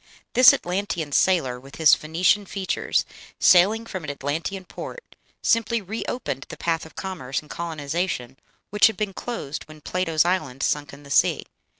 This Atlantean sailor, with his Phoenician features, sailing from an Atlantean port, simply re opened the path of commerce and colonization which had been closed when Plato's island sunk in the sea.